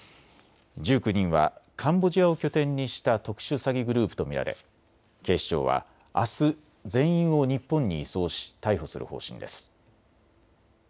１９人はカンボジアを拠点にした特殊詐欺グループと見られ警視庁はあす全員を日本に移送し逮捕する方針です。